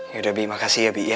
yaudah bi makasih ya bi ya